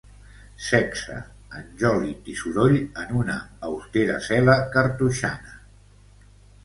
Sexe, enjòlit i soroll en una austera cel·la cartoixana.